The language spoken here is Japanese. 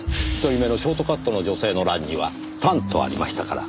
一人目のショートカットの女性の欄には「短」とありましたから。